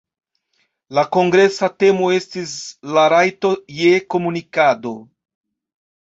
La kongresa temo estis "La rajto je komunikado".